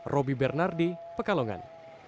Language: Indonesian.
roby bernardi pekalongan